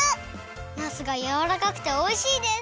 なすがやわらかくておいしいです！